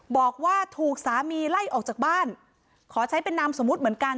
บอกว่าถูกสามีไล่ออกจากบ้านขอใช้เป็นนามสมมุติเหมือนกัน